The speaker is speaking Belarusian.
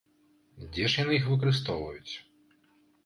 Дзе ж яны іх выкарыстоўваюць?